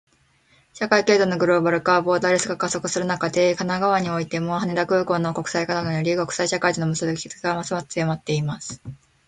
社会・経済のグローバル化、ボーダレス化が加速する中で、神奈川においても、羽田空港の国際化などにより、国際社会との結びつきがますます強まっています。